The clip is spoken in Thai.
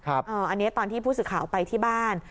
อันนี้ตอนที่ผู้สื่อข่าวไปที่บ้าน